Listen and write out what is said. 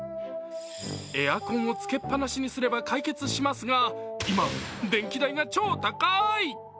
エアコンをつけっ放しにすれば解決しますが、今、電気代が超高い。